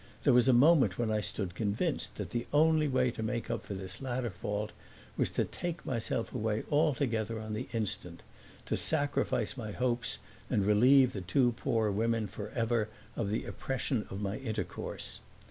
There was a moment when I stood convinced that the only way to make up for this latter fault was to take myself away altogether on the instant; to sacrifice my hopes and relieve the two poor women forever of the oppression of my intercourse.